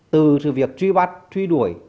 từ sự việc truy bắt truy đuổi